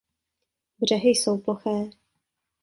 Břehy jsou ploché.